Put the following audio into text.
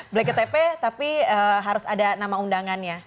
blacket tp tapi harus ada nama undangannya